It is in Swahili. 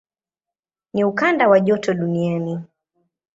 Ni ukanda wa joto duniani.